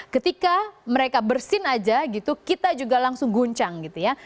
ketika mereka bersin aja gitu kita juga langsung guncang gitu ya